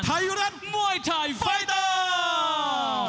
ไทยรัฐมวยไทยไฟเตอร์